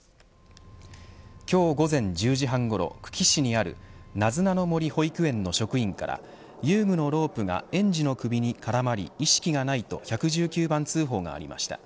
今日午前１０時半ごろ久喜市にあるなずなの森保育園の職員から遊具のロープが園児の首に絡まり意識がないと１１９番通報がありました。